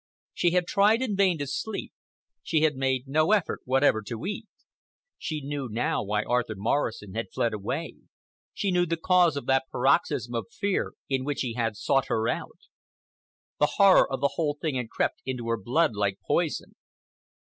She had tried in vain to sleep,—she had made no effort whatever to eat. She knew now why Arthur Morrison had fled away. She knew the cause of that paroxysm of fear in which he had sought her out. The horror of the whole thing had crept into her blood like poison.